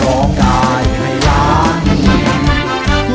ร้องได้ให้ล้าน